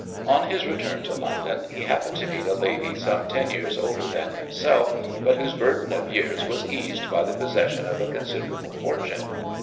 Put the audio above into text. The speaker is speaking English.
On his return to London he happened to meet a lady some ten years older than himself, but whose burden of years was eased by the possession of a considerable fortune.